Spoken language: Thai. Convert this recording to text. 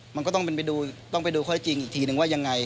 มันก็ต้องไปดูข้อจริงอีกทีนึงว่ายังไง